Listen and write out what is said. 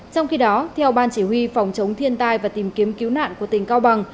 trong khi đó theo ban chỉ huy phòng chống thiên tai và tìm kiếm cứu nạn của tỉnh cao bằng